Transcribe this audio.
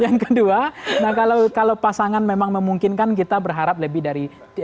yang kedua kalau pasangan memang memungkinkan kita berharap lebih dari